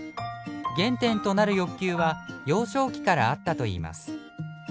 原点となる欲求は幼少期からあったといいます。